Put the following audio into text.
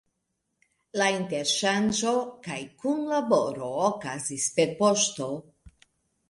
La interŝanĝo kaj kunlaboro okazis per poŝto.